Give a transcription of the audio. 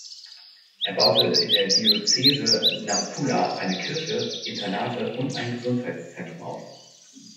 Er baute in der Diözese Nampula eine Kirche, Internate und ein Gesundheitszentrum auf.